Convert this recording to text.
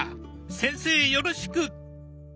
先生よろしく！